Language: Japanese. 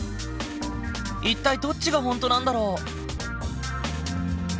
一体どっちが本当なんだろう？